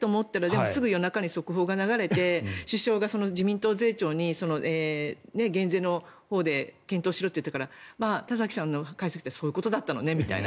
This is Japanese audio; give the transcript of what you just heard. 昨日の提言のところであれ？と思ったらすぐに速報が流れて首相が自民党税調に減税のほうで検討しろと言ったから田崎さんの解説でそういうことだったのねと。